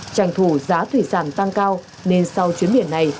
trành thủ giá thủy sản tăng cao nên sau chuyến biển này